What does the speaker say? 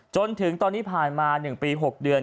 จนถึงตอนนี้ผ่านมา๑ปี๖เดือน